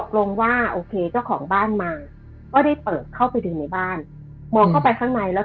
คือเรื่องนี้มันเกิดมาประสบการณ์ของรุ่นนี้มีคนที่เล่าให้พี่ฟังคือชื่อน้องปลานะคะ